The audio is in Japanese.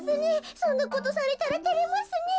そんなことされたらてれますねえ。